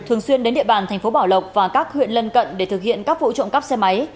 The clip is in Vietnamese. thường xuyên đến địa bàn thành phố bảo lộc và các huyện lân cận để thực hiện các vụ trộm cắp xe máy